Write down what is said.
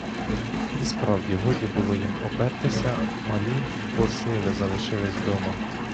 І справді годі було їм опертися, малі бо сили залишились дома.